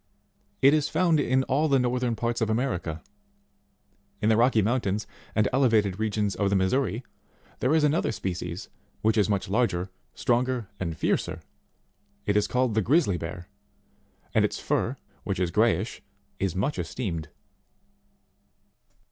It is found in all the northern parts of America. In the Rocky Mountains and elevated regions of the Missouri, there is another species which is much larger, stronger, and fiercer : it is called the Grizzly Bear, and its fur which is greyish, is much esteemed.